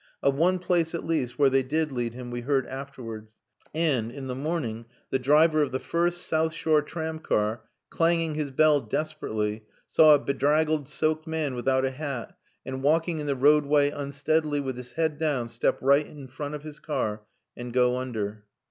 Of one place, at least, where they did lead him, we heard afterwards; and, in the morning, the driver of the first south shore tramcar, clanging his bell desperately, saw a bedraggled, soaked man without a hat, and walking in the roadway unsteadily with his head down, step right in front of his car, and go under.